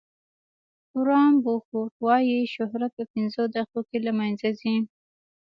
وارن بوفیټ وایي شهرت په پنځه دقیقو کې له منځه ځي.